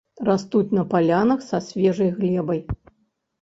Растуць на палянах са свежай глебай.